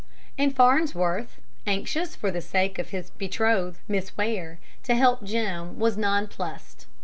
And Farnsworth, anxious, for the sake of his betrothed, Miss Ware, to help Jim, was nonplussed.